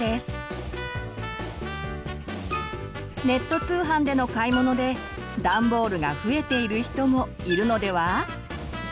ネット通販での買い物でダンボールが増えている人もいるのでは？